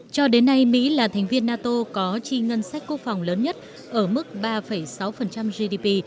cho đến nay mỹ là thành viên nato có chi ngân sách quốc phòng lớn nhất ở mức ba sáu gdp